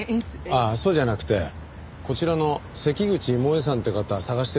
ああそうじゃなくてこちらの関口萌絵さんって方捜してるんですよ。